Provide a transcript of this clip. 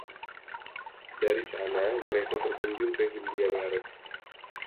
Dari sana, mereka berkunjung ke Hindia Barat.